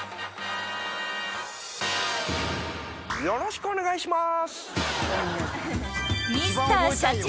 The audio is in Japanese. よろしくお願いします！